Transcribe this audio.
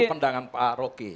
ya itu pendangan pak roki